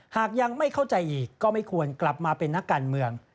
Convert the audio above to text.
หากยังไม่เข้าใจอีกก็ไม่ควรกลับมาเป็นนักการเมือง